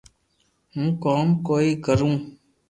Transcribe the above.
ھون ڪوم ڪوئي ڪرو